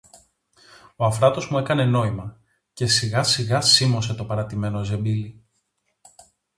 Ο Αφράτος μου έκανε νόημα, και σιγά σιγά σίμωσε το παρατημένο ζεμπίλι